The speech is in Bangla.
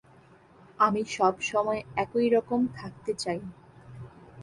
আমি সব সময় একই রকম থাকতে চাই।